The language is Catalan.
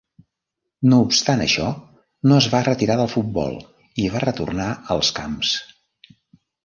No obstant això no es va retirar del futbol i va retornar als camps.